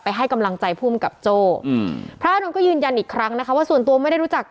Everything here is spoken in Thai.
ให้กำลังใจภูมิกับโจ้อืมพระอานนท์ก็ยืนยันอีกครั้งนะคะว่าส่วนตัวไม่ได้รู้จัก